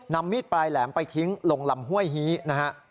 นำมีดปลายแหลมไปทิ้งลงลำห้วยฮี้นะครับ